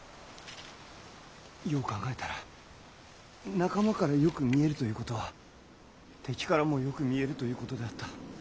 よう考えたら仲間からよく見えるということは敵からもよく見えるということであった。